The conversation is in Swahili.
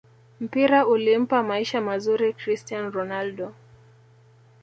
mpira ulimpa maisha mazuri cristian ronaldo